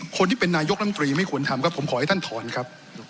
คนที่เป็นนายกรรมตรีไม่ควรทำครับผมขอให้ท่านถอนครับ